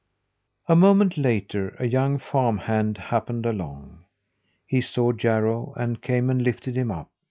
A moment later a young farm hand happened along. He saw Jarro, and came and lifted him up.